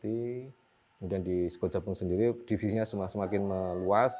kemudian di sekolah jawa pun sendiri divisinya semakin meluas